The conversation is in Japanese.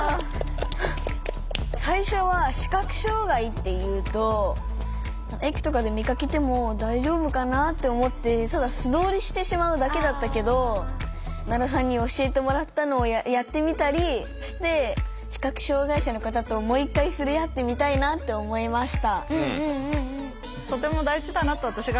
最初は視覚障害っていうと駅とかで見かけても大丈夫かなって思ってただ素通りしてしまうだけだったけど奈良さんに教えてもらったのをやってみたりして視覚障害者の方ともう一回触れ合ってみたいなって思いました。